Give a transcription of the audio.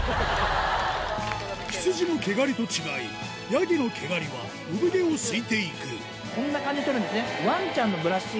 羊の毛刈りと違いヤギの毛刈りは産毛をすいていくこんな感じで取るんですね。